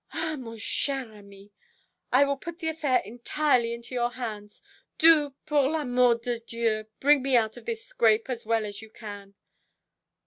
Ah, mon cher ami, I will put the affair entirely into your hands: do, pour i'amour de Dieu, bring me out of this scrape as well as you can."